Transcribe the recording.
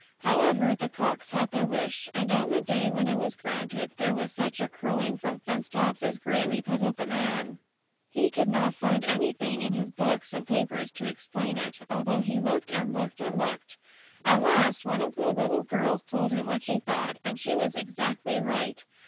However, the Cocks had their wish, and on the day when it was granted there was such a crowing from fence tops as greatly puzzled the Man. He could not find anything in his books and papers to explain it, although he looked and looked and looked. At last one of the Little Girls told him what she thought, and she was exactly right.